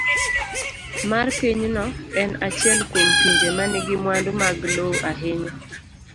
C. mar Pinyno en achiel kuom pinje ma nigi mwandu mag lowo ahinya.